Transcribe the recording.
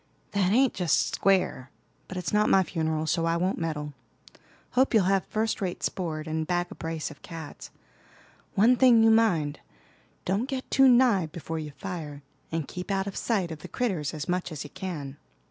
"That ain't just square; but it's not my funeral, so I won't meddle. Hope you'll have first rate sport, and bag a brace of cats. One thing you mind, don't get too nigh before you fire; and keep out of sight of the critters as much as you can."